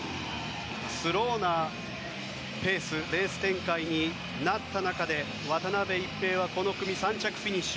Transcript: スローなペースレース展開になった中で渡辺一平はこの組３着フィニッシュ。